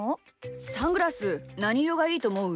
サングラスなにいろがいいとおもう？